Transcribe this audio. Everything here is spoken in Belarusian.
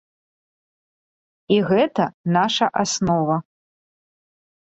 І гэта наша аснова.